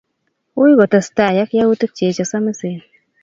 Ui kotestai ak yautik chik che somisen.